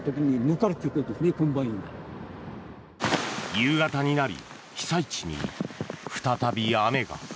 夕方になり被災地に再び雨が。